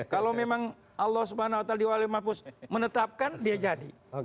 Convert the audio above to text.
kalau memang allah swt diwalai mafus menetapkan dia jadi